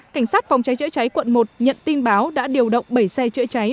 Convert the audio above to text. cảnh sát phòng cháy chữa cháy quận một nhận tin báo đã điều động bảy xe chữa cháy